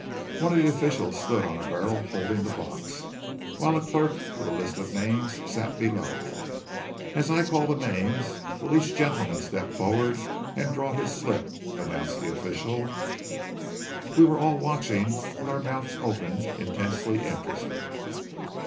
One of the officials stood on a barrel holding the box, while a clerk with a list of names sat below. "As I call the names, will each gentleman step forward and draw his slip?" announced the official. We were all watching with our mouths open intensely interested.